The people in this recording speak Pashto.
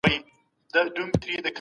زورواکو به د ازادو فکرونو مخه نيوله.